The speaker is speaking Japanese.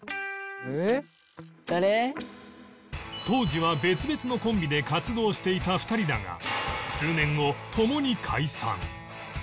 当時は別々のコンビで活動していた２人だが数年後共に解散